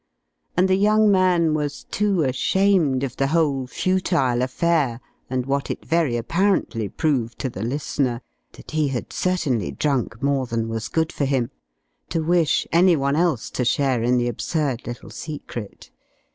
And the young man was too ashamed of the whole futile affair and what it very apparently proved to the listener that he had certainly drunk more than was good for him to wish any one else to share in the absurd little secret.